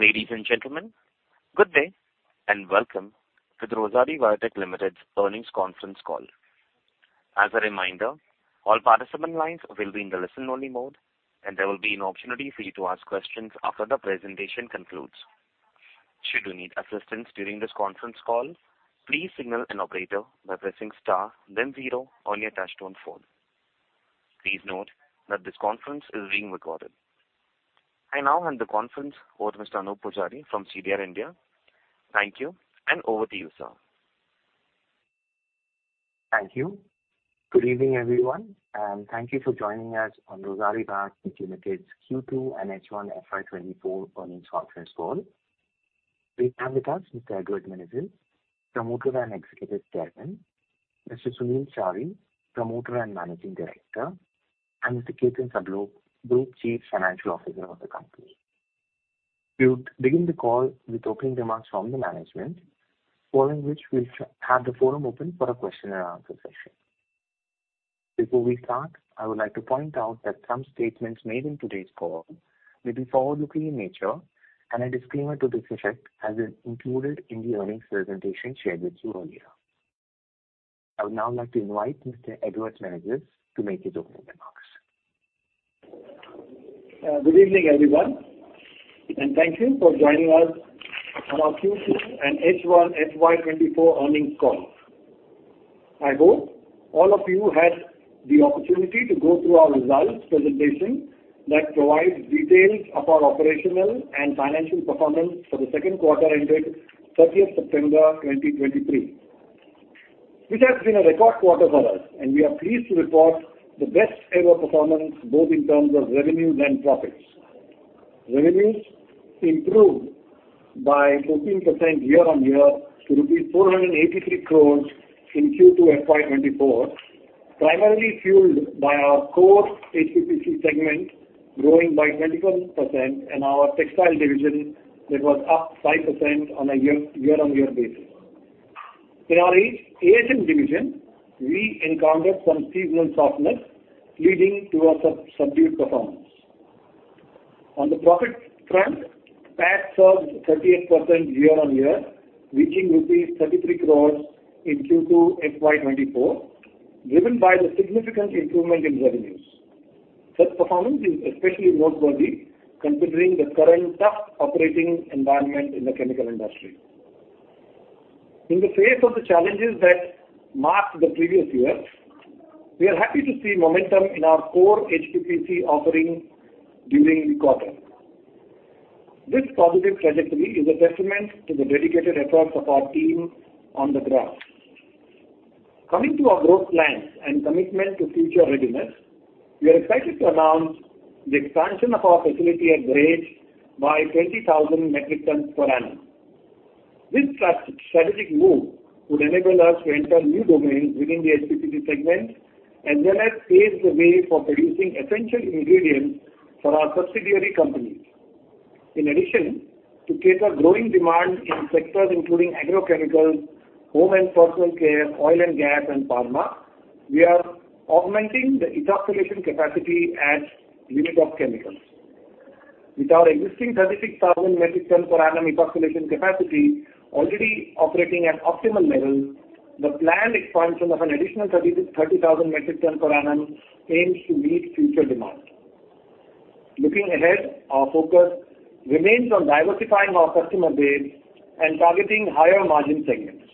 Ladies and gentlemen, good day, and welcome to Rossari Biotech Limited's earnings conference call. As a reminder, all participant lines will be in the listen-only mode, and there will be an opportunity for you to ask questions after the presentation concludes. Should you need assistance during this conference call, please signal an operator by pressing Star, then zero on your touchtone phone. Please note that this conference is being recorded. I now hand the conference over to Mr. Anup Pujari from CDR India. Thank you, and over to you, sir. Thank you. Good evening, everyone, and thank you for joining us on Rossari Biotech Limited's Q2 and H1 FY 2024 earnings conference call. We have with us Mr. Edward Menezes, Promoter and Executive Chairman, Mr. Sunil Chari, Promoter and Managing Director, and Mr. Ketan Sablok, Group Chief Financial Officer of the company. We would begin the call with opening remarks from the management, following which we'll have the forum open for a question and answer session. Before we start, I would like to point out that some statements made in today's call may be forward-looking in nature, and a disclaimer to this effect has been included in the earnings presentation shared with you earlier. I would now like to invite Mr. Edward Menezes to make his opening remarks. Good evening, everyone, and thank you for joining us on our Q2 and H1 FY 2024 earnings call. I hope all of you had the opportunity to go through our results presentation that provides details of our operational and financial performance for the second quarter ended 30 September 2023. This has been a record quarter for us, and we are pleased to report the best-ever performance, both in terms of revenues and profits. Revenues improved by 14% year-on-year to INR 483 crore in Q2 FY 2024, primarily fueled by our core HPPC segment, growing by 21%, and our textile division, that was up 5% on a year-on-year basis. In our AHN division, we encountered some seasonal softness, leading to a subdued performance. On the profit front, PAT saw 38% year-on-year, reaching rupees 33 crore in Q2 FY 2024, driven by the significant improvement in revenues. Such performance is especially noteworthy considering the current tough operating environment in the chemical industry. In the face of the challenges that marked the previous years, we are happy to see momentum in our core HPPC offering during the quarter. This positive trajectory is a testament to the dedicated efforts of our team on the ground. Coming to our growth plans and commitment to future readiness, we are excited to announce the expansion of our facility at Dahej by 20,000 metric tons per annum. This strategic move would enable us to enter new domains within the HPPC segment and then has paved the way for producing essential ingredients for our subsidiary companies. In addition, to cater growing demand in sectors including agrochemicals, home and personal care, oil and gas, and pharma, we are augmenting the ethoxylation capacity at Unitop Chemicals. With our existing 36,000 metric ton per annum ethoxylation capacity already operating at optimal levels, the planned expansion of an additional 30,000 metric ton per annum aims to meet future demand. Looking ahead, our focus remains on diversifying our customer base and targeting higher-margin segments.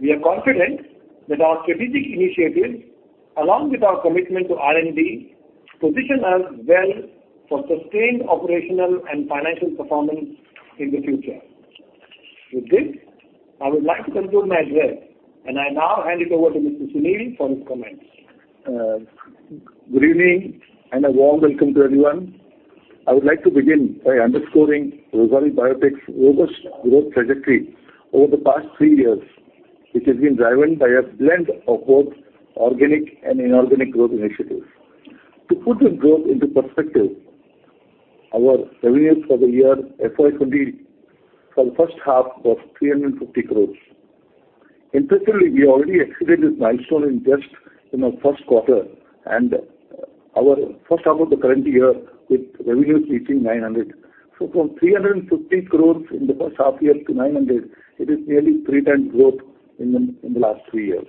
We are confident that our strategic initiatives, along with our commitment to R&D, position us well for sustained operational and financial performance in the future. With this, I would like to conclude my address, and I now hand it over to Mr. Sunil for his comments. Good evening, and a warm welcome to everyone. I would like to begin by underscoring Rossari Biotech's robust growth trajectory over the past three years, which has been driven by a blend of both organic and inorganic growth initiatives. To put the growth into perspective, our revenues for the year FY20 for the first half was 350 crores. Interestingly, we already exceeded this milestone in just our first quarter and our first half of the current year, with revenues reaching 900 crores. So from 350 crores in the first half year to 900 crores, it is nearly three times growth in the last three years.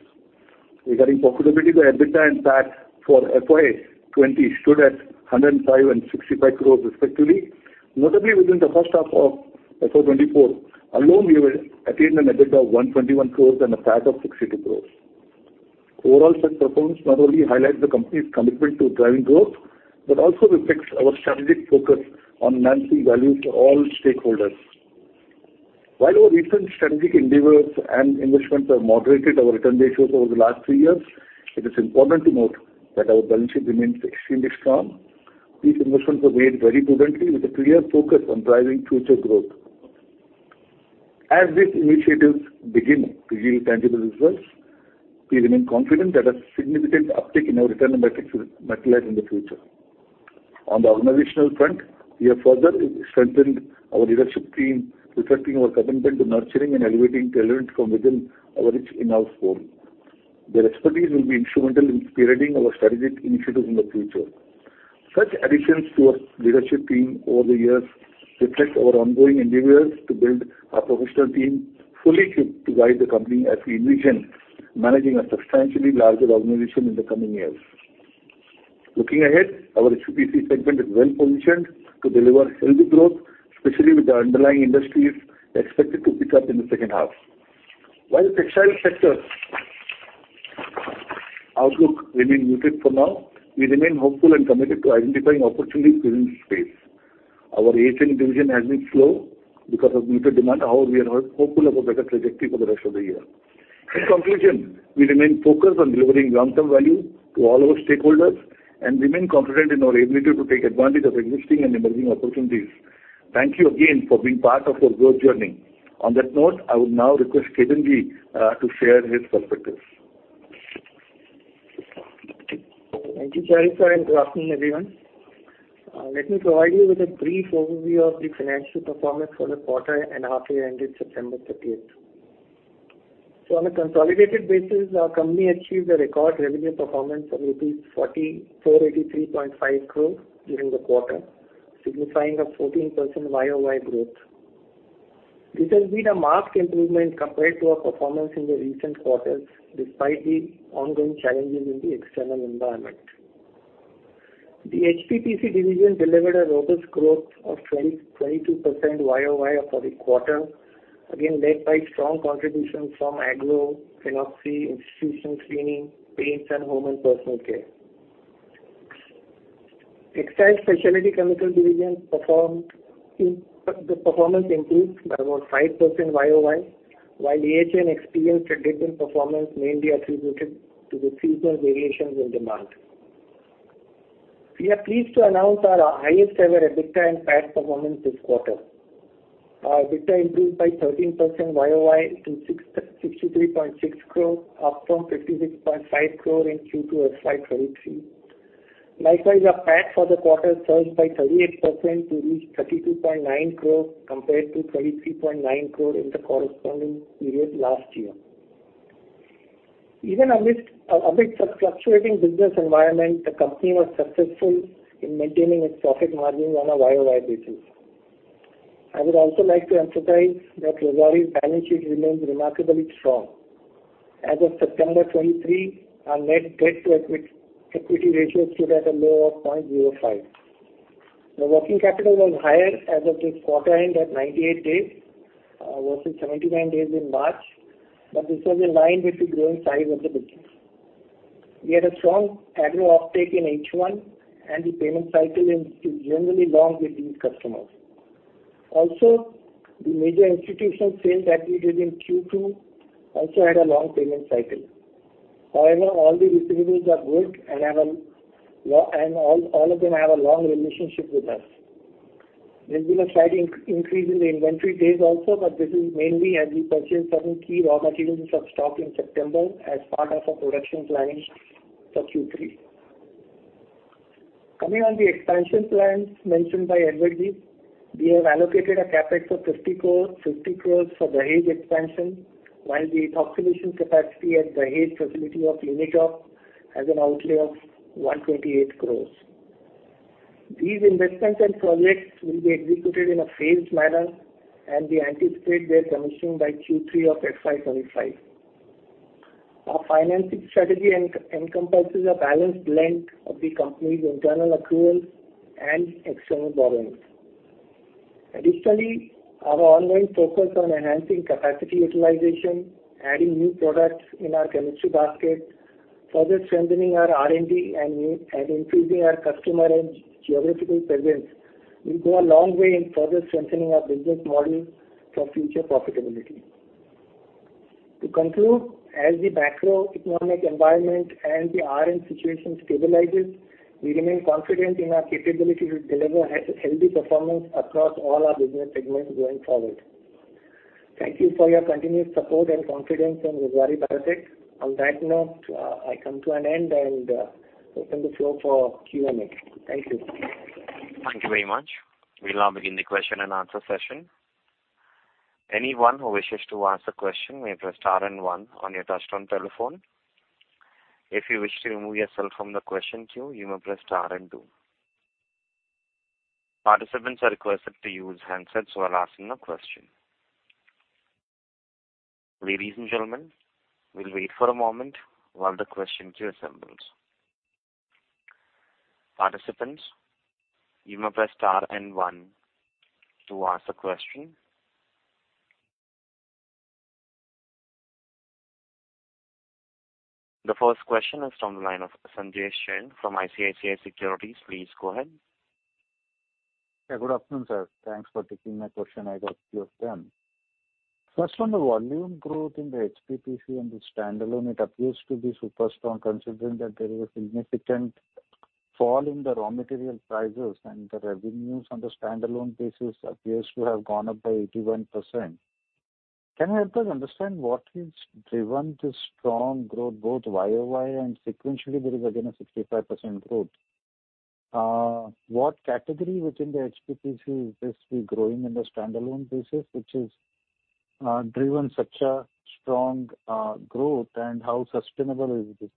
Regarding profitability, the EBITDA and PAT for FY twenty stood at 105 crores and 65 crores respectively. Notably, within the first half of FY 2024 alone, we will attain an EBITDA of 121 crores and a PAT of 62 crores. Overall, such performance not only highlights the company's commitment to driving growth, but also reflects our strategic focus on enhancing value to all stakeholders. While our recent strategic endeavors and investments have moderated our return ratios over the last 3 years, it is important to note that our balance sheet remains extremely strong. These investments were made very prudently, with a clear focus on driving future growth. As these initiatives begin to yield tangible results, we remain confident that a significant uptick in our return metrics will materialize in the future. On the organizational front, we have further strengthened our leadership team, reflecting our commitment to nurturing and elevating talent from within our rich in-house pool. Their expertise will be instrumental in spearheading our strategic initiatives in the future. Such additions to our leadership team over the years reflect our ongoing endeavors to build a professional team fully equipped to guide the company as we envision managing a substantially larger organization in the coming years. Looking ahead, our HPPC segment is well positioned to deliver healthy growth, especially with the underlying industries expected to pick up in the second half. While the textile sector outlook remain muted for now, we remain hopeful and committed to identifying opportunities within this space. Our AHN division has been slow because of muted demand. However, we are hopeful of a better trajectory for the rest of the year. In conclusion, we remain focused on delivering long-term value to all our stakeholders and remain confident in our ability to take advantage of existing and emerging opportunities. Thank you again for being part of our growth journey. On that note, I would now request Ketan to share his perspectives. Thank you, Sunil Chari, and good afternoon, everyone. Let me provide you with a brief overview of the financial performance for the quarter and half year ended September 30. On a consolidated basis, our company achieved a record revenue performance of rupees 4,483.5 crore during the quarter, signifying a 14% year-over-year growth. This has been a marked improvement compared to our performance in the recent quarters, despite the ongoing challenges in the external environment. The HPPC division delivered robust growth of 20%-22% year-over-year for the quarter, again, led by strong contributions from agro, phenoxy, institutional cleaning, paints, and home and personal care. Textile Specialty Chemicals division performance improved by about 5% year-over-year, while AHN experienced a different performance, mainly attributed to the seasonal variations in demand. We are pleased to announce our highest ever EBITDA and PAT performance this quarter. Our EBITDA improved by 13% YOY to 663.6 crores, up from 56.5 crores in Q2 FY 2023. Likewise, our PAT for the quarter surged by 38% to reach 32.9 crores, compared to 23.9 crores in the corresponding period last year. Even amid the fluctuating business environment, the company was successful in maintaining its profit margins on a YOY basis. I would also like to emphasize that Rossari's balance sheet remains remarkably strong. As of September 2023, our net debt-to-equity ratio stood at a low of 0.05. The working capital was higher as of this quarter end at 98 days versus 79 days in March, but this was in line with the growing size of the business. We had a strong agro offtake in H1, and the payment cycle is generally long with these customers. Also, the major institutional sales activity in Q2 also had a long payment cycle. However, all the receivables are good and have a long relationship with us. There's been a slight increase in the inventory days also, but this is mainly as we purchased certain key raw materials of stock in September as part of our production planning for Q3. Coming on the expansion plans mentioned by Edwardji, we have allocated a CapEx of 50 crores for the Dahej expansion, while the ethoxylation capacity at the Dahej facility of Unitop has an outlay of 128 crores. These investments and projects will be executed in a phased manner, and we anticipate their commissioning by Q3 of FY 2025. Our financing strategy encompasses a balanced blend of the company's internal accruals and external borrowings. Additionally, our ongoing focus on enhancing capacity utilization, adding new products in our chemistry basket, further strengthening our R&D and increasing our customer and geographical presence, will go a long way in further strengthening our business model for future profitability. To conclude, as the macroeconomic environment and the RM situation stabilizes, we remain confident in our capability to deliver a healthy performance across all our business segments going forward. Thank you for your continued support and confidence in Rossari Biotech. On that note, I come to an end and open the floor for Q&A. Thank you. Thank you very much. We'll now begin the question and answer session. Anyone who wishes to ask a question, may press star and one on your touchtone telephone. If you wish to remove yourself from the question queue, you may press star and two. Participants are requested to use handsets while asking a question. Ladies and gentlemen, we'll wait for a moment while the question queue assembles. Participants, you may press star and one to ask a question. The first question is from the line of Sanjay Jain from ICICI Securities. Please go ahead. Yeah, good afternoon, sir. Thanks for taking my question. I got two of them. First, on the volume growth in the HPPC and the standalone, it appears to be super strong, considering that there was a significant fall in the raw material prices and the revenues on the standalone basis appears to have gone up by 81%. Can you help us understand what has driven this strong growth, both YOY and sequentially, there is again a 65% growth? What category within the HPPC is this be growing in the standalone basis, which is, driven such a strong, growth, and how sustainable is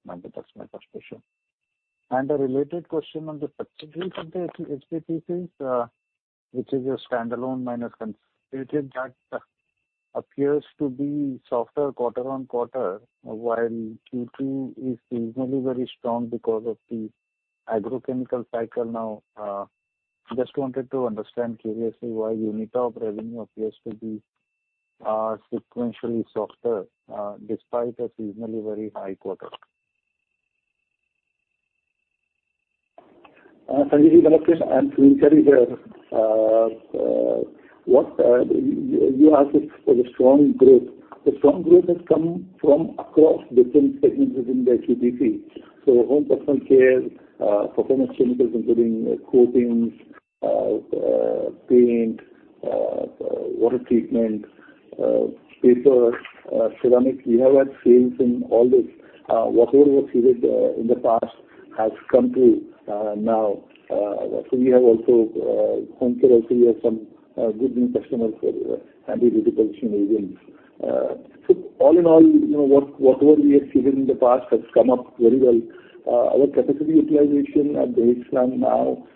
this? That's my first question. A related question on the subsidiary of the HPPC, which is a standalone minus consolidated, that appears to be softer quarter-over-quarter, while Q2 is seasonally very strong because of the agrochemical cycle now. Just wanted to understand curiously why Unitop revenue appears to be, sequentially softer, despite a seasonally very high quarter. Sunil, I'm here. What you asked for, the strong growth. The strong growth has come from across different segments within the HPPC. So home personal care, performance chemicals, including coatings, paint, water treatment, paper, ceramic. We have had sales in all this. Whatever was seen in the past has come through now. So we have also, home care also we have some good new customers for anti-repellent agents. So all in all, you know, whatever we have seen in the past has come up very well. Our capacity utilization at the base line now,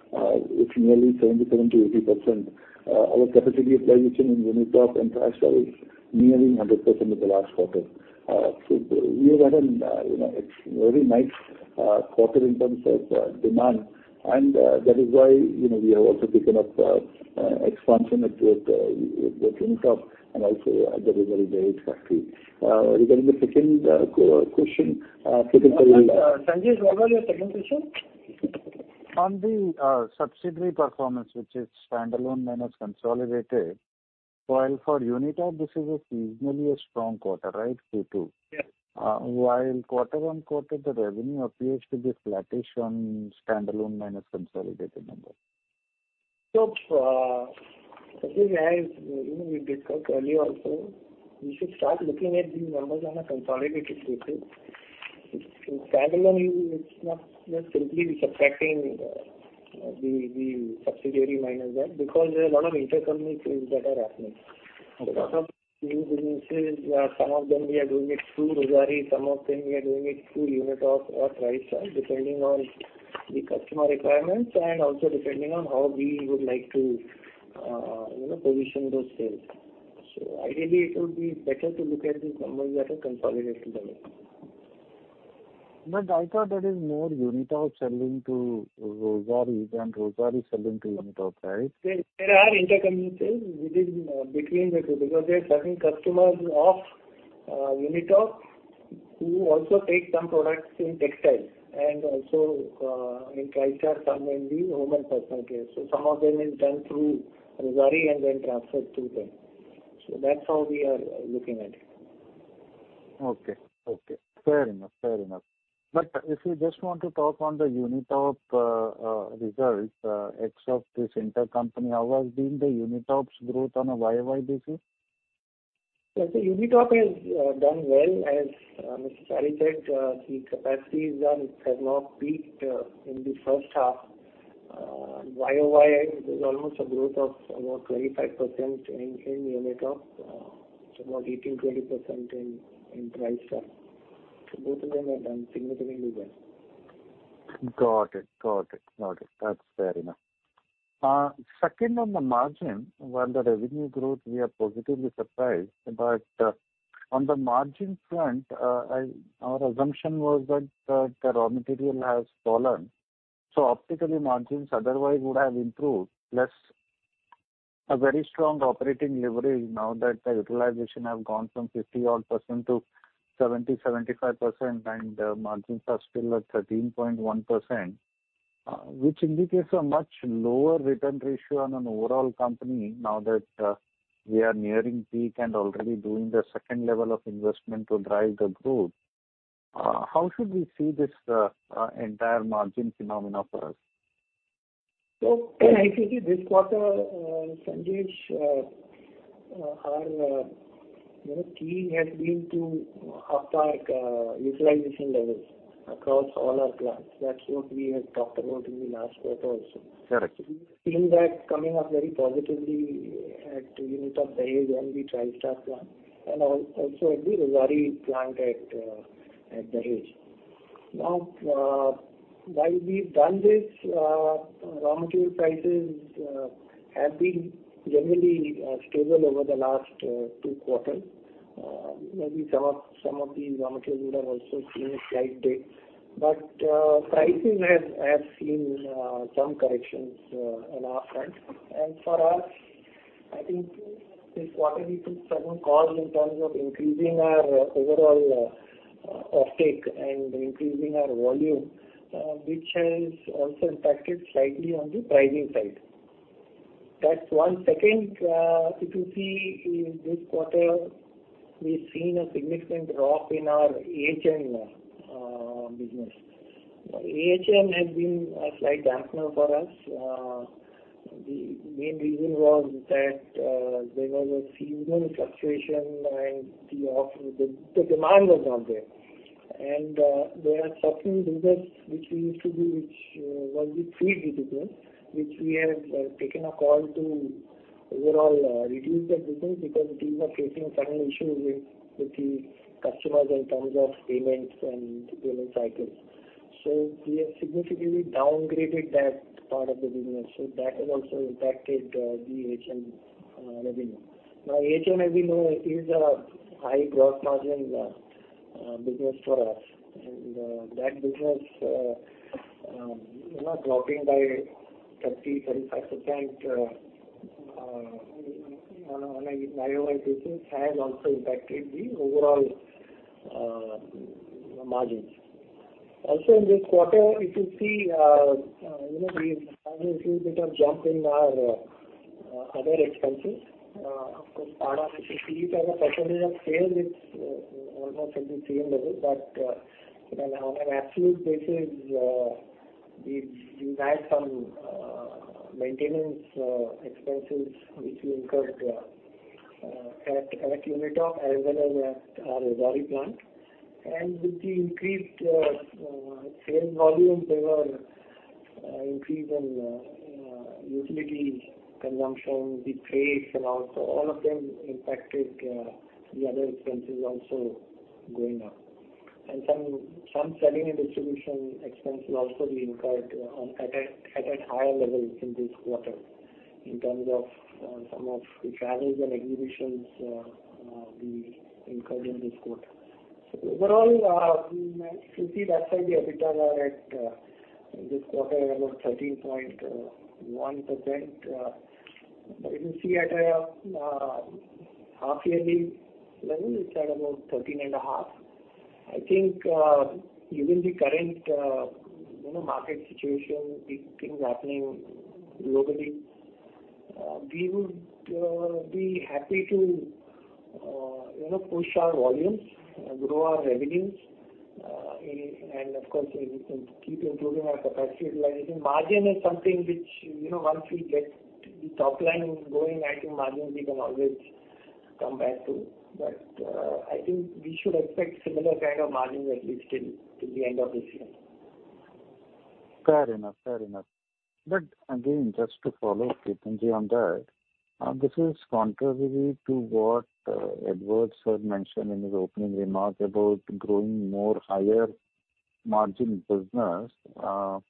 it's nearly 77%-80%. Our capacity utilization in Unitop and Tristar is nearly 100% in the last quarter. So we have had a, you know, it's very nice quarter in terms of demand, and that is why, you know, we have also taken up expansion with Unitop and also at the Dahej factory. Regarding the second question, secondary- Sunil, what was your second question? On the subsidiary performance, which is standalone minus consolidated. While for Unitop, this is a seasonally a strong quarter, right, Q2? Yes. While quarter-over-quarter, the revenue appears to be flattish on standalone minus consolidated number. As you know, we discussed earlier also, we should start looking at these numbers on a consolidated basis. In standalone, it's not just simply subtracting the subsidiary minus that, because there are a lot of intercompany things that are happening. Okay. A lot of new businesses, some of them we are doing it through Rossari, some of them we are doing it through Unitop or Tristar, depending on the customer requirements and also depending on how we would like to, you know, position those sales. So ideally, it would be better to look at these numbers at a consolidated level. But I thought that is more Unitop selling to Rossari than Rossari selling to Unitop, right? There are intercompany sales within, between the two, because there are certain customers of Unitop who also take some products in textiles and also in Tristar, some in the home and personal care. So some of them is done through Rossari and then transferred through them. So that's how we are looking at it. Okay, okay. Fair enough. Fair enough. But if you just want to talk on the Unitop results, except this intercompany, how has been the Unitop's growth on a Y-o-Y basis? Yes, the Unitop has done well. As Mr. Chari said, the capacities are have not peaked in the first half. Y-o-Y, it is almost a growth of about 25% in Unitop, it's about 18-20% in Tristar. So both of them have done significantly well. Got it. Got it. Got it. That's fair enough. Second, on the margin, while the revenue growth, we are positively surprised, but, on the margin front, Our assumption was that, the raw material has fallen, so optically, margins otherwise would have improved, plus a very strong operating leverage now that the utilization have gone from 50-odd% to 70%-75%, and margins are still at 13.1%, which indicates a much lower return ratio on an overall company now that, we are nearing peak and already doing the second level of investment to drive the growth. How should we see this, entire margin phenomena for us? So I think this quarter, Sunil, our key has been to up our utilization levels across all our plants. That's what we had talked about in the last quarter also. Correct. We've seen that coming up very positively at Unitop and the Tristar plant and also at the Rossari plant at Dahej. Now, while we've done this, raw material prices have been generally stable over the last two quarters. Maybe some of these raw materials would have also seen a slight dip, but prices have seen some corrections on our front. And for us, I think this quarter we took some call in terms of increasing our overall offtake and increasing our volume, which has also impacted slightly on the pricing side. That's one. Second, if you see in this quarter, we've seen a significant drop in our AHN business. AHN has been a slight dampener for us. The main reason was that there was a seasonal fluctuation and the demand was not there. And there are certain business which we used to do, which was with free retailers, which we have taken a call to overall reduce the business because we were facing some issues with the customers in terms of payments and payment cycles. So we have significantly downgraded that part of the business, so that has also impacted the AHN revenue. Now, AHN, as you know, is a high growth margin business for us. And that business, you know, dropping by 30%-35% on an annual basis has also impacted the overall margins. Also in this quarter, if you see, you know, we have a little bit of jump in our other expenses. Of course, part of it, you see it as a percentage of sales, it's almost at the same level. But on an absolute basis, we've had some maintenance expenses which we incurred at Unitop as well as at our Rossari plant. And with the increased sales volumes, there were increase in utility consumption, the freight and also all of them impacted the other expenses also going up. And some selling and distribution expenses also we incurred at a higher level in this quarter, in terms of some of the travels and exhibitions we incurred in this quarter. So overall, if you see that side, the EBITDA are at, in this quarter, about 13.1%. But you can see at a half yearly level, it's at about 13.5. I think, given the current, you know, market situation, with things happening globally, we would be happy to, you know, push our volumes and grow our revenues. And of course, we will keep improving our capacity utilization. Margin is something which, you know, once we get the top line going, I think margin will become always come back to. But I think we should expect similar kind of margins, at least till the end of this year. Fair enough. Fair enough. But again, just to follow Ketan on that, this is contrary to what Edward sir mentioned in his opening remarks about growing more higher margin business, while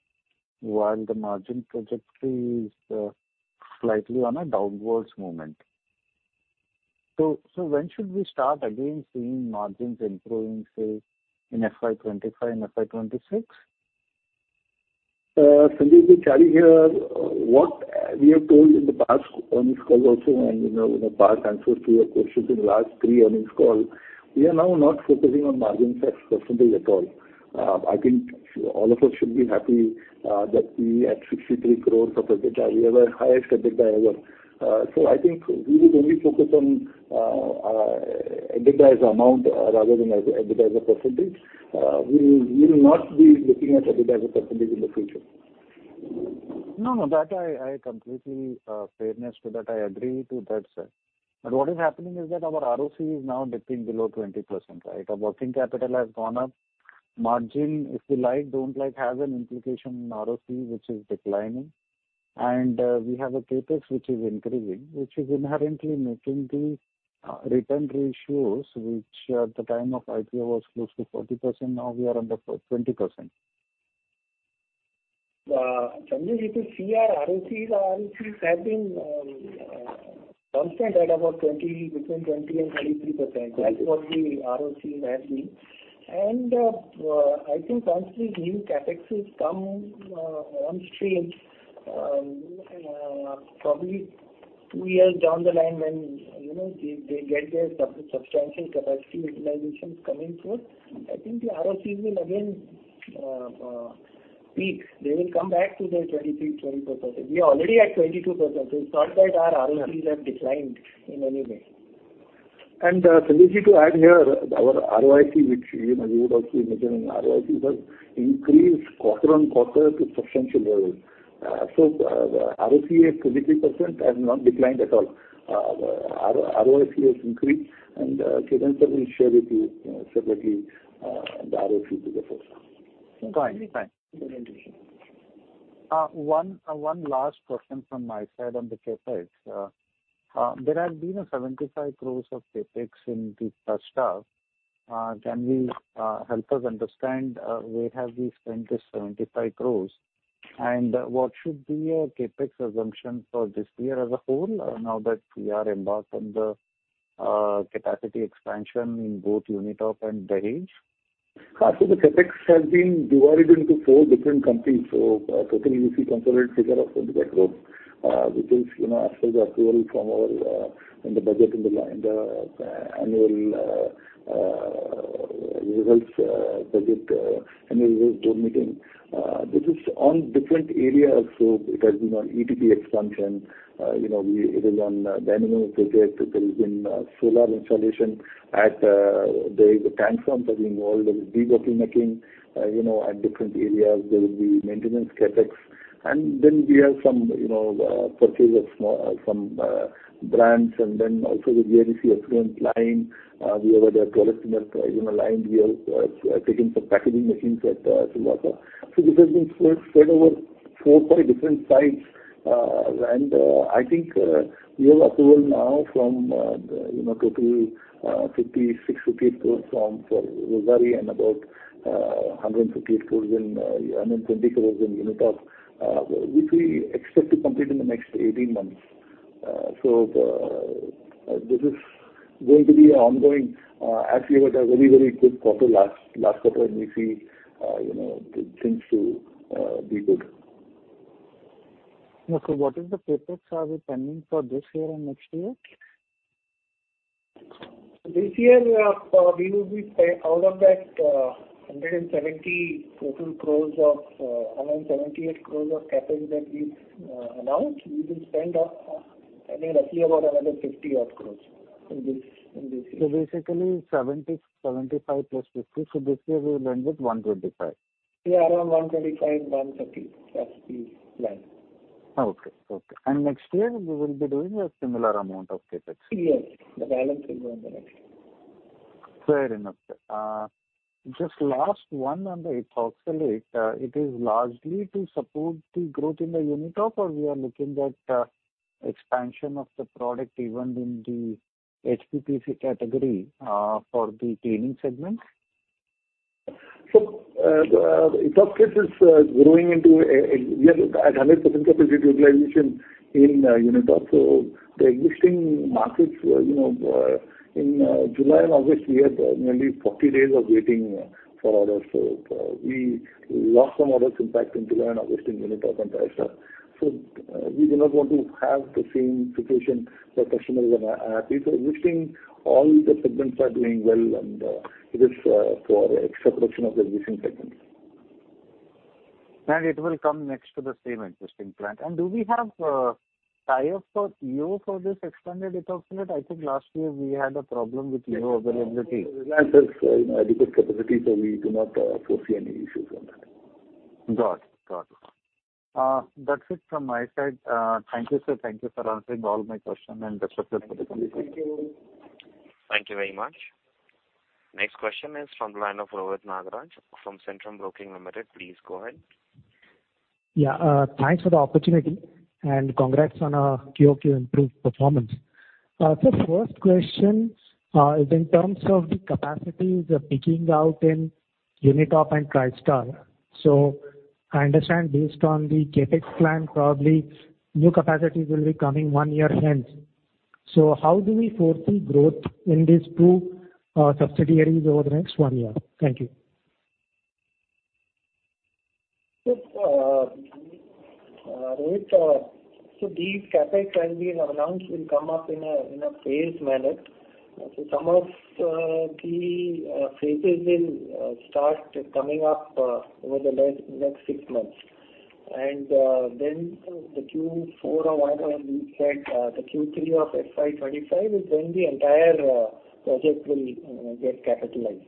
the margin trajectory is slightly on a downwards moment. So, when should we start again seeing margins improving, say, in FY 2025 and FY 2026? Sanjeevji, Chari here, what we have told in the past earnings calls also, and, you know, in the past answers to your questions in last three earnings call, we are now not focusing on margins as percentage at all. I think all of us should be happy, you know, that we at 63 crore of EBITDA, we have a highest EBITDA ever. I think we would only focus on, EBITDA as amount rather than EBITDA as a percentage. We will, we will not be looking at EBITDA as a percentage in the future. No, no, I completely, in fairness to that, I agree to that, sir. What is happening is that our ROCE is now dipping below 20%, right? Our working capital has gone up. Margin, if you like, don't like, has an implication in ROCE, which is declining. We have a CapEx which is increasing, which is inherently making the return ratios, which at the time of IPO was close to 40%, now we are under 20%. Sanjeevji, to see our ROCs, our ROCs have been constant at about 20, between 20 and 23%. That's what the ROCs have been. I think once these new CapExes come on stream, probably two years down the line when, you know, they get their substantial capacity utilizations coming through, I think the ROCs will again peak. They will pick, they will come back to their 23, 20%. We are already at 22%, so it's not that our ROCs have declined in any way. Sanjeevji, to add here, our ROIC, which, you know, you would also mention in ROIC, has increased quarter-on-quarter to substantial levels. The ROCE is 23%, has not declined at all. ROIC has increased, and Ketan sir will share with you separately the ROCE before. Fine. Fine. Thank you. One last question from my side on the CapEx. There have been 75 crore of CapEx in the first half. Can we help us understand where have we spent this 75 crore? What should be your CapEx assumption for this year as a whole, now that we are embarked on the capacity expansion in both Unitop and Bharuch? So the CapEx has been divided into four different companies. So totally, you see consolidated figure of 75 crore, which is, you know, as per the approval from our, in the budget, in the annual results budget annual results board meeting. This is on different areas. So it has been on ETP expansion, you know, we, it is on dynamo project. There has been solar installation at, there is a transformer that is involved in debottlenecking, you know, at different areas there will be maintenance CapEx. And then we have some, you know, purchase of small some brands, and then also the VDFC affluent line, we have a product, you know, line. We are taking some packaging machines at Silvassa. So this has been spread, spread over four, five different sites. I think we have a pool now from, you know, totally, 56.8 crore rupees from, for Rossari, and about 150 crore in, 120 crore in Unitop, which we expect to complete in the next 18 months. So this is going to be ongoing, as we had a very, very good quarter last quarter, and we see, you know, things to be good. Okay. What is the CapEx are we planning for this year and next year? This year, we will be pay out of that 170 total crores of 178 crores of CapEx that we announced. We will spend, I think roughly about another 50 odd crores in this year. So basically 70, 75 + 50, so this year we will end with 125. Yeah, around 125, 130, that's the plan. Okay. Okay. Next year, we will be doing a similar amount of CapEx? Yes, the balance will go on the next year. Fair enough. Just last one on the ethoxylate, it is largely to support the growth in the Unitop, or we are looking that, expansion of the product even in the HPPC category, for the cleaning segment? So, the ethoxylation is growing, and we are at 100% capacity utilization in Unitop. So the existing markets, you know, in July and August, we had nearly 40 days of waiting for orders. So, we lost some orders in fact, in July and August in Unitop and Tristar. So, we do not want to have the same situation for customers and people. Existing, all the segments are doing well, and it is for extra production of the existing segments. It will come next to the same existing plant. Do we have tie-up for EO for this expanded ethoxylate? I think last year we had a problem with EO availability. We have adequate capacity, so we do not foresee any issues on that. Got it. Got it. That's it from my side. Thank you, sir. Thank you for answering all my questions and the questions from the company. Thank you. Thank you very much. Next question is from the line of Rohit Nagaraj from Centrum Broking Limited. Please go ahead. Yeah, thanks for the opportunity, and congrats on a QOQ improved performance. So first question, is in terms of the capacities of picking out in Unitop and Tristar. So I understand based on the CapEx plan, probably new capacities will be coming one year hence. So how do we foresee growth in these two, subsidiaries over the next one year? Thank you. Rohit, so these CapEx that we have announced will come up in a phased manner. So some of the phases will start coming up over the next six months. Then the Q4 or whatever we said, the Q3 of FY 25 is when the entire project will get capitalized.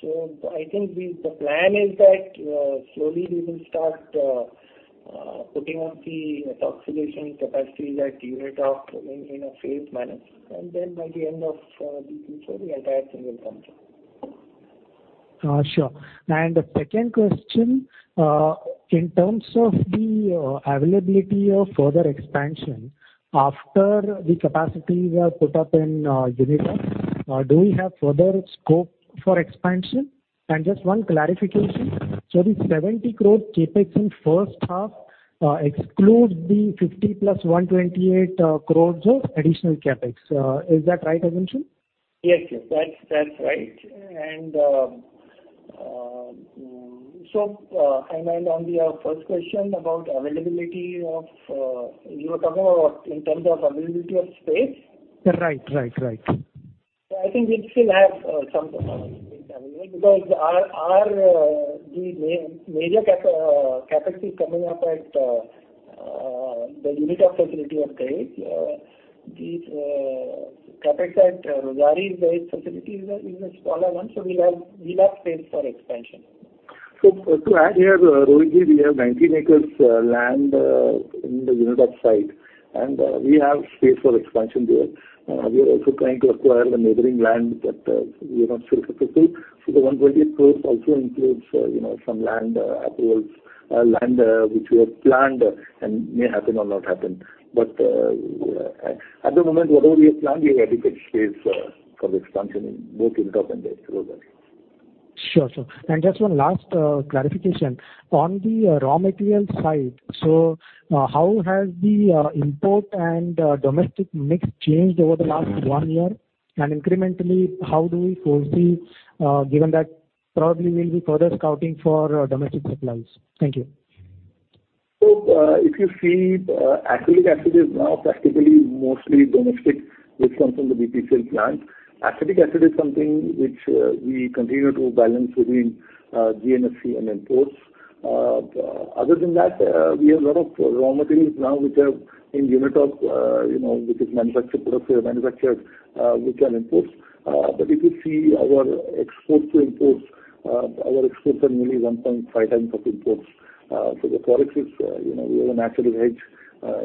So I think we, the plan is that, slowly we will start putting up the ethoxylation capacity that Unitop in a phased manner, and then by the end of the Q4, the entire thing will come through. Sure. And the second question, in terms of the availability of further expansion, after the capacities are put up in Unitop, do we have further scope for expansion? And just one clarification: so the 70 crore CapEx in first half excludes the 50 + 128 crores of additional CapEx. Is that right, Avensu? Yes, yes, that's, that's right. And on the first question about availability of, you were talking about in terms of availability of space? Right. Right, right. I think we still have some space available, because our major CapEx is coming up at the Unitop facility of Dahej. The CapEx at Rossari's facility is a smaller one, so we have space for expansion. So to add here, Rohit, we have 19 acres land in the Unitop site, and we are also trying to acquire the neighboring land, but we are not sure if it will fit. So the 120 acres also includes, you know, some land approvals land which we have planned and may happen or not happen. But at the moment, whatever we have planned, we have adequate space for the expansion in both Unitop and Tristar. Sure, sir. Just one last clarification. On the raw material side, so, how has the import and domestic mix changed over the last one year? And incrementally, how do we foresee, given that probably we'll be further scouting for domestic supplies? Thank you. So, if you see, acrylic acid is now practically mostly domestic, which comes from the BPCL plant. Acetic acid is something which, we continue to balance between, GNFC and imports. Other than that, we have a lot of raw materials now, which are in Unitop, you know, which is manufactured products, we have manufactured, which are imports. But if you see our exports to imports, our exports are nearly 1.5 times of imports. So the products is, you know, we have a natural hedge,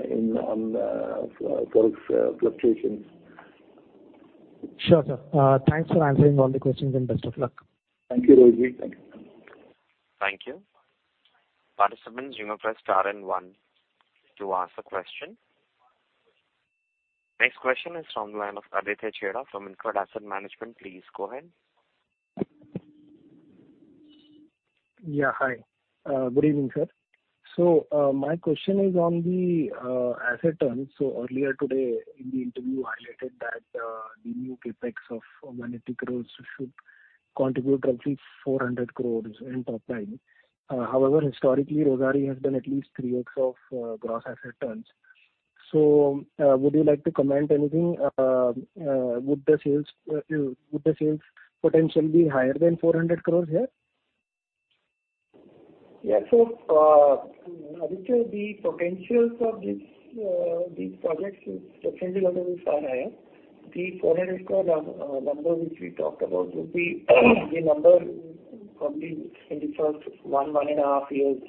in, on, products, fluctuations. Sure, sir. Thanks for answering all the questions, and best of luck. Thank you, Rajeev. Thank you. Thank you. Participants, you may press star and one to ask a question. Next question is from the line of Aditya Chheda from InCred Asset Management. Please go ahead. Yeah, hi. Good evening, sir. So, my question is on the asset turn. So earlier today, in the interview, highlighted that the new CapEx of magnetic growth should contribute roughly 400 crore in top line. However, historically, Rossari has done at least three weeks of gross asset turns. So, would you like to comment anything? Would the sales potentially be higher than 400 crore here? Yeah. So, Aditya, the potentials of this, these projects is definitely going to be far higher. The INR 400 crore number which we talked about would be the number probably in the first 1.5 years,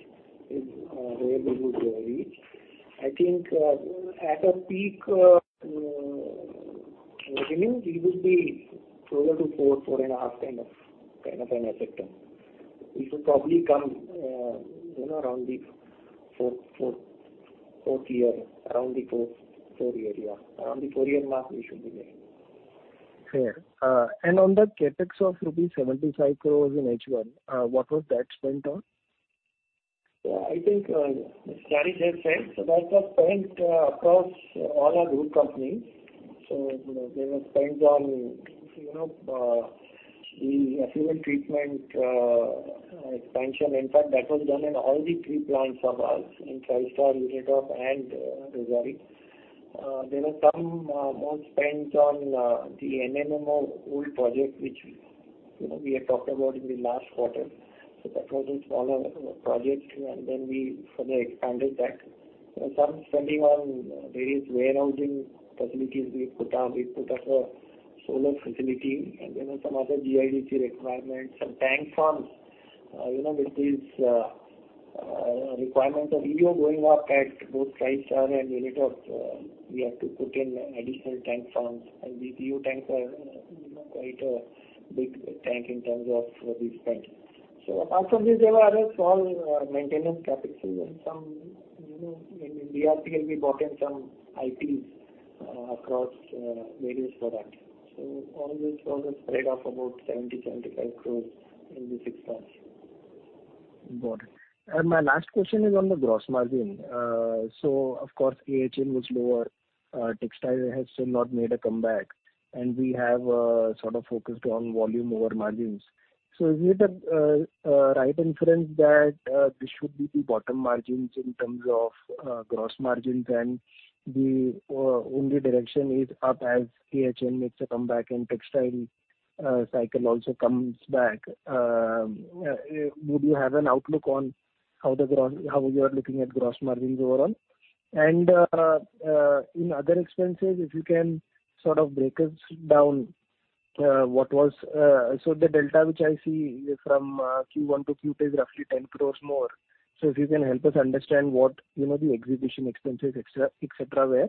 where we would reach. I think, at a peak, beginning, we would be closer to 4, 4.5 kind of an asset turn. It will probably come, you know, around the fourth year, yeah. Around the 4-year mark, we should be there. Fair. And on the CapEx of rupees 75 crores in H1, what was that spent on? Yeah, I think Chari just said, so that was spent across all our group companies. So, you know, they were spent on, you know, the effluent treatment expansion. In fact, that was done in all the three plants of ours, in Tristar, Unitop, and Rossari. There were some more spent on the NMMO old project, which, you know, we had talked about in the last quarter. So that was a smaller project, and then we further expanded that. Some spending on various warehousing facilities. We put up a solar facility and, you know, some other GIDC requirements, some tank farms. You know, with these requirements of EO going up at both Tristar and Unitop, we have to put in additional tank farms. And these EO tanks are, you know, quite a big tank in terms of this tank. So apart from this, there were other small, maintenance capital and some, you know, in the R&D, we bought in some IPs, across, various products. So all these projects spread of about INR 70-75 crores in the six months. Got it. And my last question is on the gross margin. So of course, AHN was lower. Textile has still not made a comeback, and we have sort of focused on volume over margins. So is it a right inference that this should be the bottom margins in terms of gross margins, and the only direction is up as AHN makes a comeback and textile cycle also comes back? Would you have an outlook on how the gross margins, how you are looking at gross margins overall? And in other expenses, if you can sort of break us down what was. So the delta, which I see from Q1 to Q2, is roughly 10 crore more. So if you can help us understand what, you know, the execution expenses, etc., et cetera, were,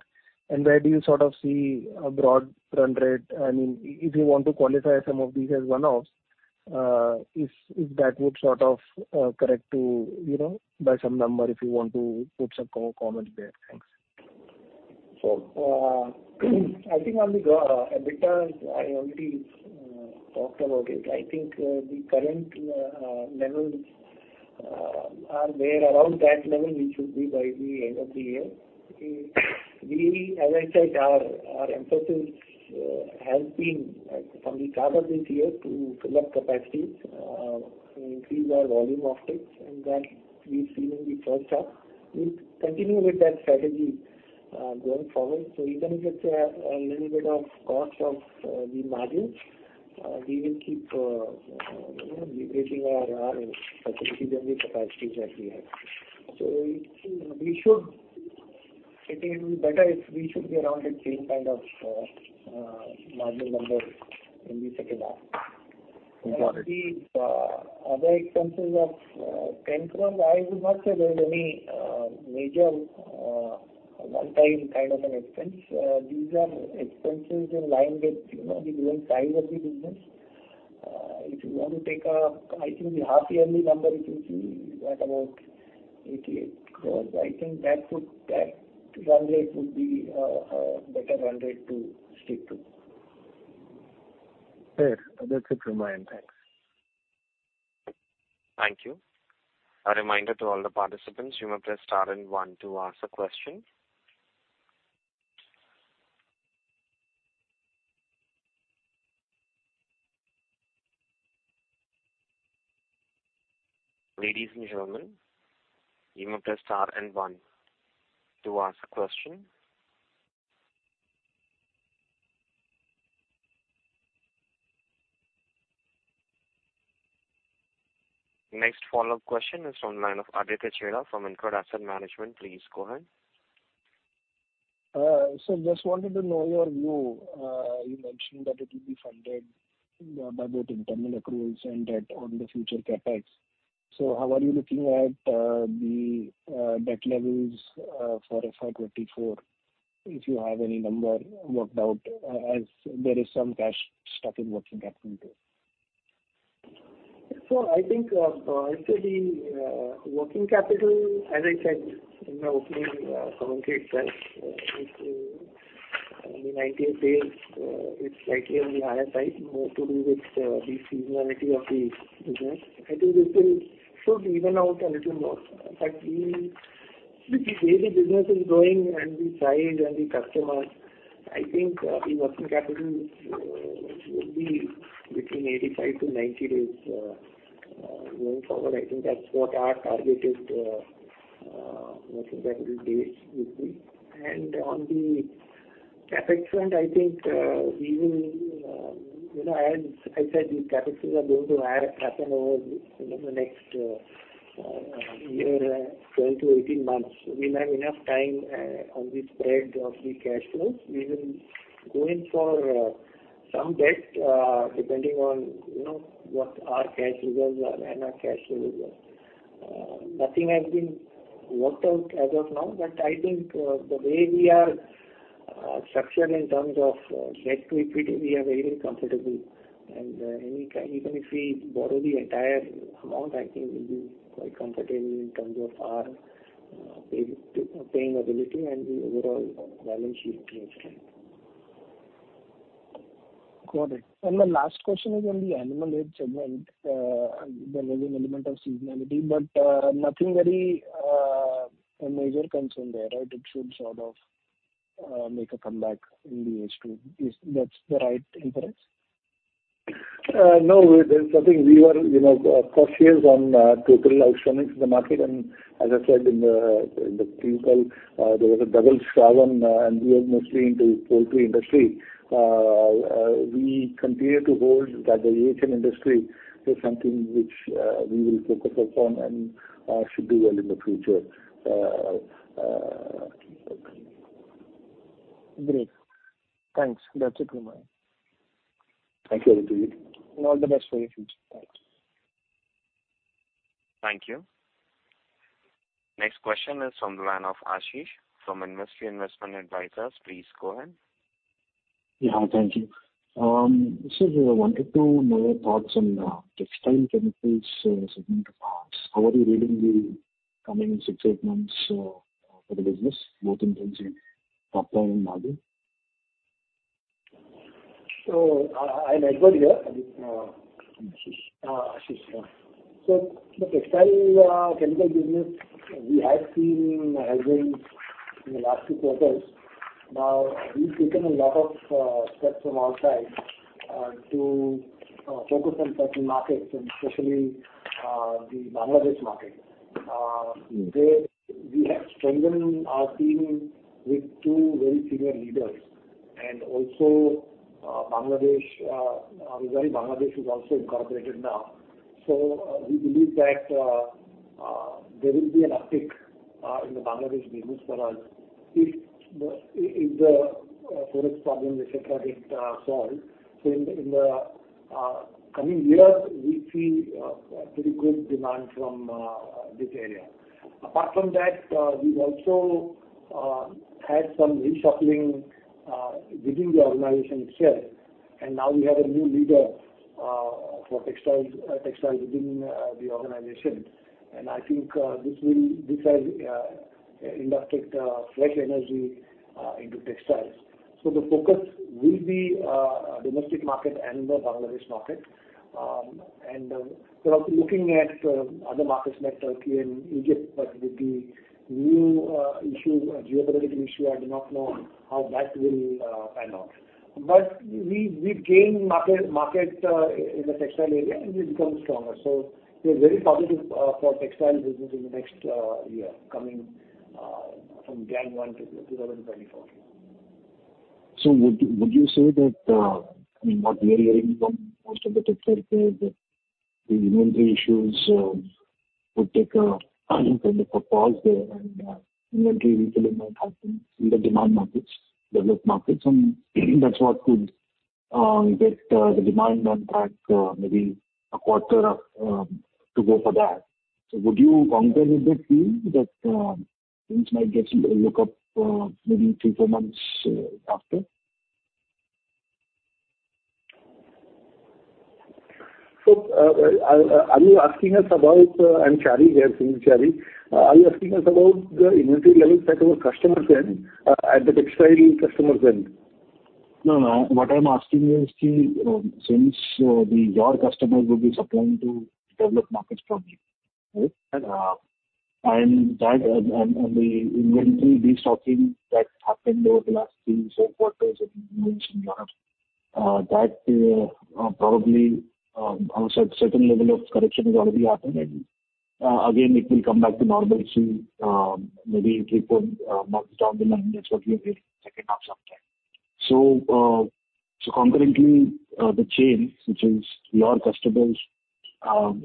and where do you sort of see a broad run rate? I mean, if you want to qualify some of these as one-offs, if that would sort of correct to, you know, by some number, if you want to put some comments there. Thanks. So, I think on the EBITDA, I already talked about it. I think the current levels are there around that level, which should be by the end of the year. We, as I said, our emphasis has been from the start of this year, to fill up capacities, increase our volume of it, and that we've seen in the first half. We'll continue with that strategy, going forward. So even if it's a little bit of cost of the margins, we will keep you know liberating our facility and the capacities that we have. So we should I think it will be better if we should be around the same kind of margin numbers in the second half. Got it. The other expenses of 10 crore, I would not say there is any major one-time kind of an expense. These are expenses in line with, you know, the growing size of the business. If you want to take a, I think, the half yearly number, you can see at about 88 crore. I think that would, that run rate would be a better run rate to stick to. Fair. That's it from my end. Thanks. Thank you. A reminder to all the participants, you may press star and one to ask a question. Ladies and gentlemen, you may press star and one to ask a question. Next follow-up question is on line of Aditya Chheda from InCred Asset Management. Please go ahead. So just wanted to know your view. You mentioned that it will be funded by both internal accruals and debt on the future CapEx. So how are you looking at the debt levels for FY 2024, if you have any number worked out, as there is some cash stuck in working capital? So I think, actually, working capital, as I said in my opening commentary, that in 90 days, it's slightly on the higher side, more to do with the seasonality of the business. I think this will should even out a little more. In fact, the way the business is growing and the size and the customers, I think the working capital would be between 85-90 days going forward. I think that's what our target is, working capital days would be. And on the CapEx front, I think we will, you know, as I said, these CapEx are going to happen over the next year, 12-18 months. We'll have enough time on the spread of the cash flows. We will go in for some debt, depending on, you know, what our cash flows are and our cash flow is. Nothing has been worked out as of now, but I think the way we are structured in terms of debt to equity, we are very comfortable. And any kind, even if we borrow the entire amount, I think we'll be quite comfortable in terms of our paying, paying ability and the overall balance sheet strength. Got it. My last question is on the animal aid segment. There was an element of seasonality, but nothing very major concern there, right? It should sort of make a comeback in the H2. Is that the right inference? No, there's nothing. We were, you know, cautious on total electronics in the market, and as I said in the pre-call, there was a double strain, and we are mostly into poultry industry. We continue to hold that the AHN industry is something which we will focus upon and should do well in the future. Great. Thanks. That's it from my end. Thank you, Aditya. All the best for your future. Thank you. Thank you. Next question is from the line of Ashish, from InvesQ Investment Advisors. Please go ahead. Yeah, thank you. So I wanted to know your thoughts on different chemicals segment parts. How are you reading the coming 6-8 months for the business, both in terms of top line and margin? So I might go here. Ashish. Ashish, yeah. So the textile chemical business, we have seen a headroom in the last two quarters. Now, we've taken a lot of steps from our side to focus on certain markets and especially the Bangladesh market. There we have strengthened our team with two very senior leaders, and also, Bangladesh, Rossari Biotech Bangladesh Ltd. is also incorporated now. So we believe that there will be an uptick in the Bangladesh business for us if the forex problem, et cetera, gets solved. So in the coming years, we see pretty good demand from this area. Apart from that, we've also had some reshuffling within the organization itself, and now we have a new leader for textiles within the organization. I think this has inducted fresh energy into textiles. So the focus will be domestic market and the Bangladesh market. We're also looking at other markets like Turkey and Egypt, but with the new issue, geopolitical issue, I do not know how that will pan out. But we, we've gained market, market in the textile area, and we've become stronger. So we're very positive for textile business in the next year, coming from January to 2024. So would you, would you say that what we are hearing from most of the textiles is that the inventory issues would take a kind of a pause there and inventory refilling might happen in the demand markets, developed markets, and that's what could get the demand on track, maybe a quarter to go for that. So would you concur with the team that things might get look up, maybe three-four months after? Are you asking us about, I'm Sunil Chari here, Sunil Chari. Are you asking us about the inventory levels at our customer end, at the textile customer end? No, no. What I'm asking you is, see, since the, your customer would be supplying to developed markets probably, right? And, and that, and, and the inventory destocking that happened over the last three, four quarters, it means a lot of, that, probably, certain level of correction is already happened and again, it will come back to normal soon, maybe three, four months down the line, that's what we are hearing, second half sometime. So, so concurrently, the chain, which is your customers,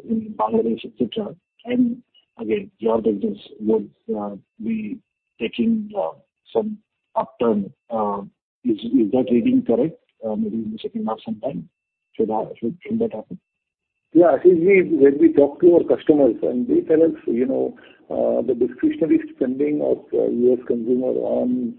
in Bangladesh, et cetera, and again, your business would, be taking, some upturn. Is, is that reading correct? Maybe in the second half sometime, should that, should that happen? Yeah, I think we, when we talk to our customers, and they tell us, you know, the discretionary spending of US consumer on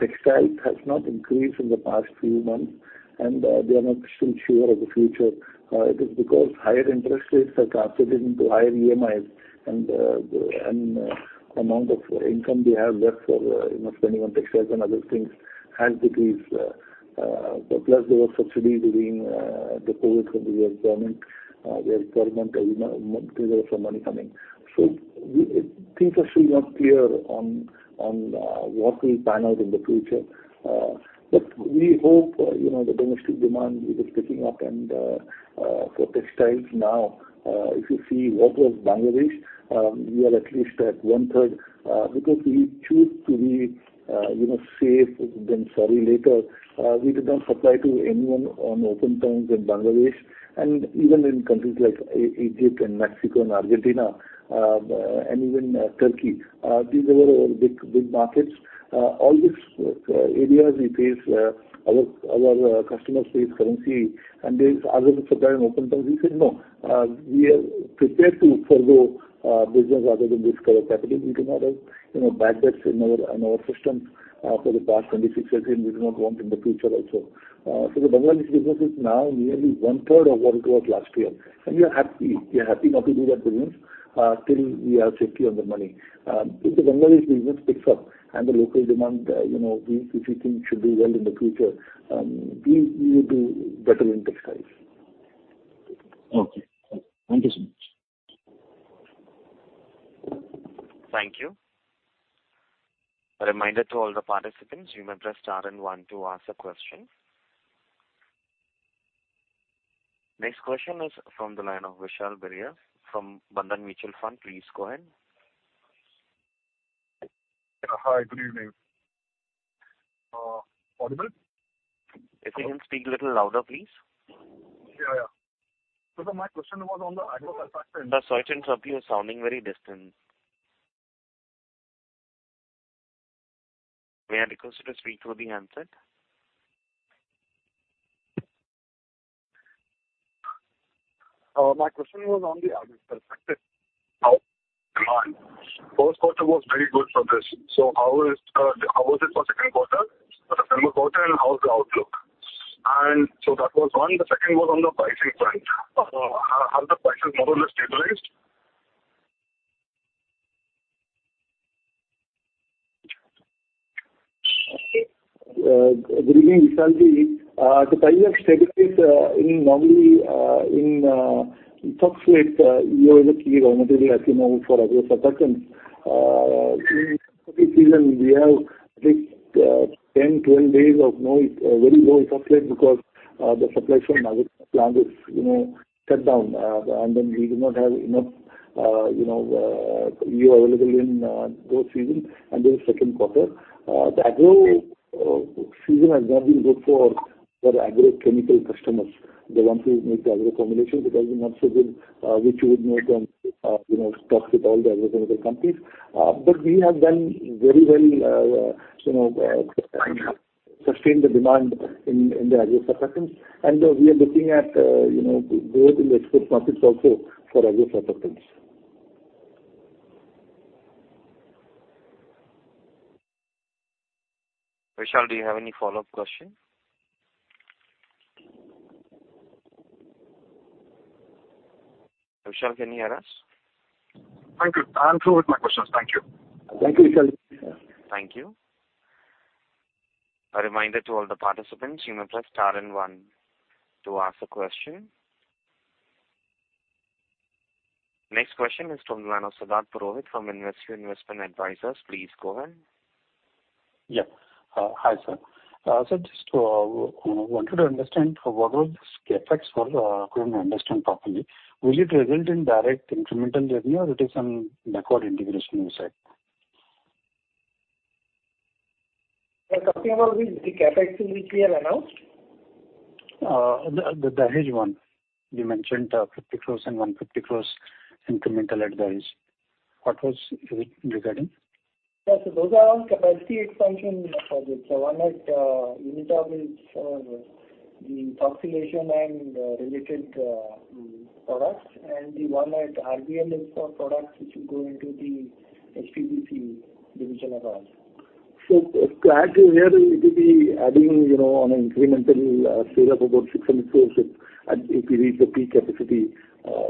textiles has not increased in the past few months, and they are not so sure of the future. It is because higher interest rates are translated into higher EMIs, and the amount of income they have left for, you know, spending on textiles and other things has decreased. Plus there was subsidy during the COVID, when the US government, where government, you know, there was some money coming. So we-- things are still not clear on, on what will pan out in the future. But we hope, you know, the domestic demand is picking up. For textiles now, if you see what was Bangladesh, we are at least at one-third, because we choose to be, you know, safe than sorry later. We did not supply to anyone on open terms in Bangladesh, and even in countries like Egypt and Mexico and Argentina, and even Turkey. These were big, big markets. All these areas we face, our customers face currency, and they ask us to supply on open terms. We said, "No, we are prepared to forgo business rather than risk our capital." We do not have, you know, bad debts in our system, for the past 26 years, and we do not want in the future also. So the Bangladesh business is now nearly one-third of what it was last year, and we are happy. We are happy not to do that business, till we are safety on the money. If the Bangladesh business picks up and the local demand, you know, we, we think should do well in the future, we, we will do better in textiles. Okay. Thank you so much. Thank you. A reminder to all the participants, you may press star and one to ask a question. Next question is from the line of Vishal Biraia from Bandhan Mutual Fund. Please go ahead. Hi, good evening. Audible? If you can speak a little louder, please. Yeah, yeah. So my question was on the agro perspective. Sir, sorry, but you're sounding very distant. May I request you to speak through the handset? My question was on the agro perspective, how demand? First quarter was very good for this. So how is, how was it for second quarter, for the summer quarter, and how is the outlook? And so that was one. The second was on the pricing front. Have the prices more or less stabilized? Good evening, Vishalji. The prices stabilized, in normally, in fox rate, you have a key regulatory for agro surfactants. In season, we have, I think, 10, 12 days of no, very low fox rate because the supply from plant is, you know, shut down. Then we do not have enough, you know, EO available in those season and in the second quarter. The agro season has not been good for the agrochemical customers, the ones who make the agro formulation, because we're not so good, which you would know can, you know, stocks with all the agrochemical companies. We have done very well, you know, sustained the demand in, in the agro surfactants. We are looking at, you know, growth in the export markets also for Agro Surfactants. Vishal, do you have any follow-up question? Vishal, can you hear us? Thank you. I'm through with my questions. Thank you. Thank you, Vishal. Thank you. A reminder to all the participants, you may press star and one to ask a question. Next question is from the line of Siddharth Purohit from InvesQ Investment Advisors. Please go ahead. Yeah. Hi, sir. So just to wanted to understand what was the CapEx for, couldn't understand properly. Will it result in direct incremental revenue, or it is some backward integration, you said? We're talking about the CapEx which we have announced? The Dahej one. You mentioned, 50 crore and 150 crore incremental at the Dahej. What was it regarding? Yes, so those are all capacity expansion projects. So one at Unitop is for the ethoxylation and related products, and the one at RBM is for products which will go into the HPPC division of ours. To add to where we could be adding, you know, on an incremental scale of about 600 crore, if and if we reach the peak capacity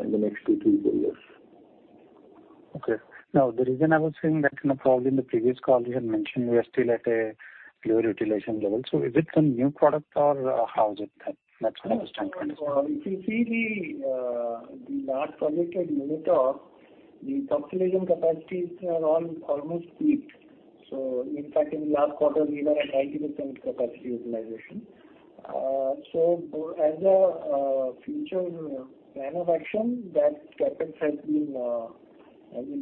in the next 2, 3, 4 years. Okay. Now, the reason I was saying that, you know, probably in the previous call you had mentioned, we are still at a lower utilization level. So is it some new product or how is it then? That's my understanding. If you see the last project at Unitop, the ethoxylation capacities are all almost met. So in fact, in the last quarter, we were at 90% capacity utilization. So as a future plan of action, that CapEx has been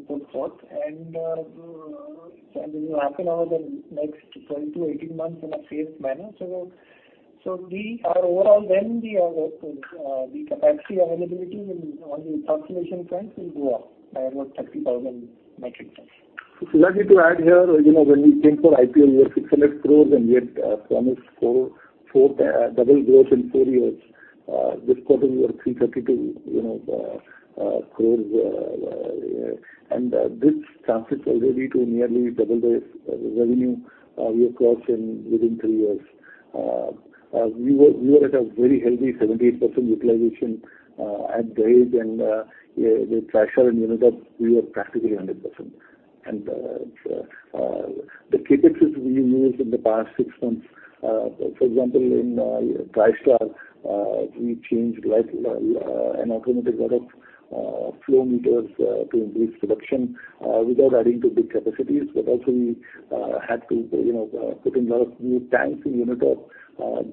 put forth and it will happen over the next 12-18 months in a phased manner. So we are overall, then the capacity availability in on the ethoxylation front will go up by about 30,000 metric tons. Gladly to add here, you know, when we came for IPO, we were 600 crores, and we had promised four, four, double growth in four years. This quarter, we were 332 crores, you know, and this translates already to nearly double the revenue we have crossed in within three years. We were, we were at a very healthy 78% utilization at Dahej, and with Tristar and Unitop, we were practically 100%. The CapEx which we used in the past six months, for example, in Thrissur, we changed like a lot of automatic flow meters to increase production without adding to big capacities, but also we had to, you know, put in a lot of new tanks in Unitop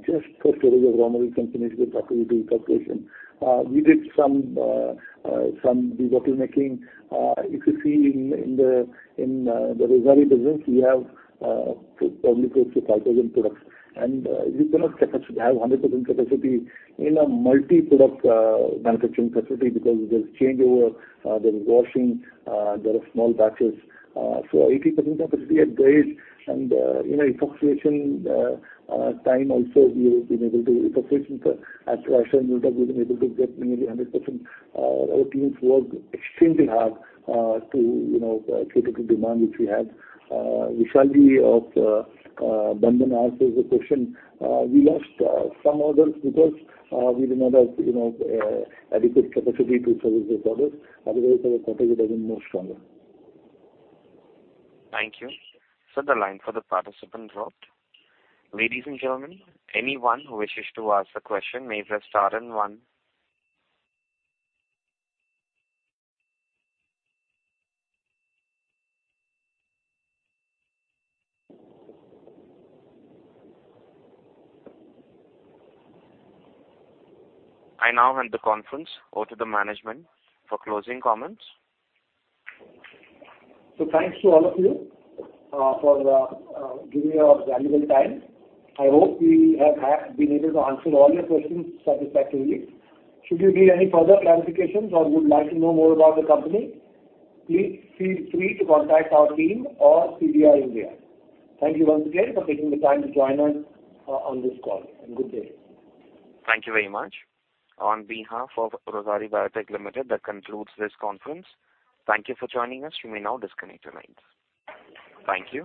just for storage of raw materials and finished goods after we do ethoxylation. We did some debottlenecking. If you see in the Rossari business, we have probably close to 5,000 products, and you cannot have 100% capacity in a multi-product manufacturing facility because there's changeover, there is washing, there are small batches. Eighty percent capacity at Dahej and, you know, ethoxylation time also we have been able to ethoxylation at Silvassa and Unitop, we've been able to get nearly 100%. Our teams worked extremely hard, you know, to cater to demand which we had. Vishal Biraia of Bandhan asked us a question. We lost some orders because we did not have, you know, adequate capacity to service those orders. Otherwise, our quarter would have been more stronger. Thank you. So the line for the participant dropped. Ladies and gentlemen, anyone who wishes to ask a question may press star and one. I now hand the conference over to the management for closing comments. So thanks to all of you for giving your valuable time. I hope we have been able to answer all your questions satisfactorily. Should you need any further clarifications or would like to know more about the company, please feel free to contact our team or CDR India. Thank you once again for taking the time to join us on this call, and good day. Thank you very much. On behalf of Rossari Biotech Limited, that concludes this conference. Thank you for joining us. You may now disconnect your lines. Thank you.